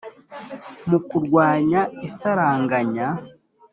mu kurwanya isaranganya